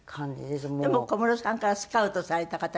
でも小室さんからスカウトされた形なんですって？